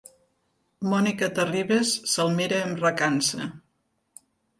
Mònica Terribas se'l mira amb recança.